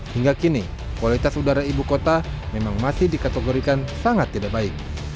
hingga kini kualitas udara ibu kota memang masih dikategorikan sangat tidak baik